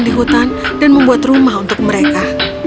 di hutan dan membuat rumah untuk mereka